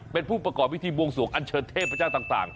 เป็นผู้ประกอบพิธีบวงสวงอันเชิญเทพเจ้าต่าง